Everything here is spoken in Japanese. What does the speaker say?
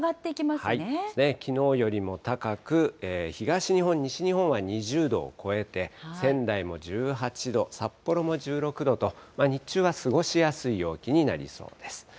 きのうよりも高く、東日本、西日本は２０度を超えて、仙台も１８度、札幌も１６度と、日中は過ごしやすい陽気になりそうです。